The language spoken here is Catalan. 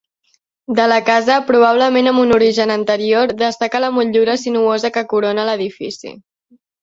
De la casa, probablement amb un origen anterior, destaca la motllura sinuosa que corona l'edifici.